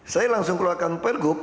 saya langsung keluarkan per gub